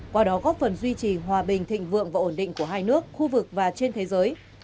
qua đó góp phần duy trì hòa bình thịnh vượng và ổn định của hai nước khu vực và trên thế giới